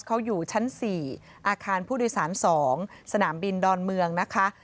เขาอยู่ชั้น๔อาคารผู้โดยสาร๒สนามบินดอนเมืองนะคะ